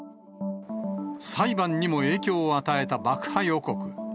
裁判にも影響を与えた爆破予告。